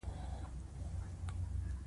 پانګوال د ورځې پنځوس افغانۍ مزد ورکوي